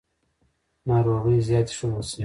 ناروغۍ زیاتې ښودل شوې.